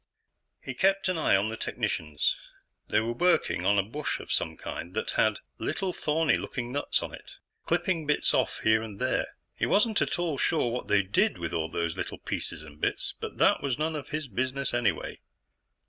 He kept an eye on the technicians. They were working on a bush of some kind that had little thorny looking nuts on it, clipping bits off here and there. He wasn't at all sure what they did with all those little pieces and bits, but that was none of his business, anyway.